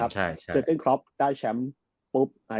เจอเจ้นครอบได้แชมป์